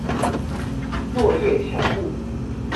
落叶乔木。